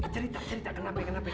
cerita cerita kan ape kan ape